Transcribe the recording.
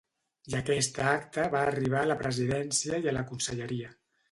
I aquesta acta va arribar a presidència i a la conselleria.